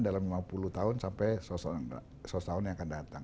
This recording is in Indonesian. dalam lima puluh tahun sampai seratus tahun yang akan datang